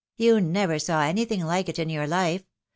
" You never saw anything like it in your life.